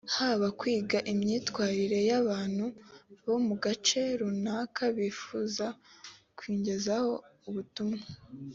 haba kwiga imyitwarire y’abantu bo mu gace runaka bifuza kugezaho ubutumwa